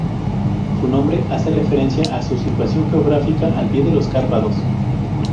Su nombre hace referencia a su situación geográfica al pie de los Cárpatos.